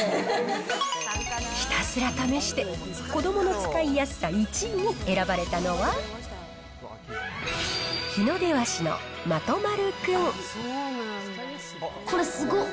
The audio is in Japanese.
ひたすら試して、子どもの使いやすさ１位に選ばれたのは、ヒノデワシのまとまるくこれ、すごっ！